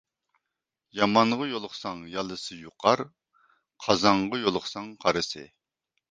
يامانغا يولۇقساڭ يالىسى يۇقار، قازانغا يولۇقساڭ قارىسى.